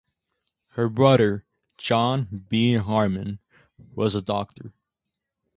Her brother, John B. Harman, was a doctor.